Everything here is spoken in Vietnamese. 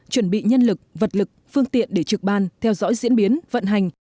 chuẩn bị nhân lực vật lực phương tiện để trực ban theo dõi diễn biến vận hành